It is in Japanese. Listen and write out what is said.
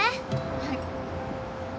はい。